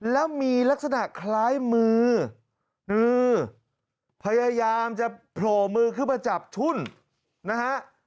แล้วมีลักษณะคล้ายมือมือพยายามจะโผล่มือขึ้นมาจับทุ่นนะฮะ